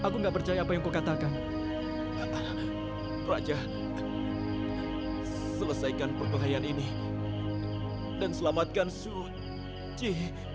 kita akan hidup bersama suci